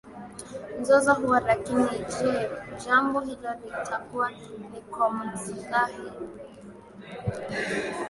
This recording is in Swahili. mzozo huo Lakini jee jambo hilo litakuwa ni kwa maslahi